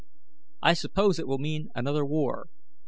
I suppose it will mean another war.